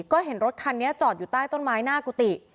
ก็เห็นรถคันนี้จอดอยู่ใต้ต้นไม้หน้ากุฏิ